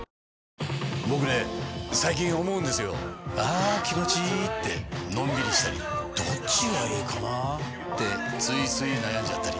あ気持ちいいってのんびりしたりどっちがいいかなってついつい悩んじゃったり。